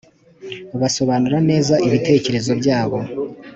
basobanura neza ibitekerezo byabo,